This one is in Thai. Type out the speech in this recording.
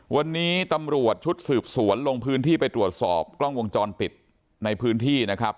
วันนี้ตำรวจชุดสืบสวนลงพื้นที่ไปตรวจสอบกล้องวงจรปิดในพื้นที่นะครับ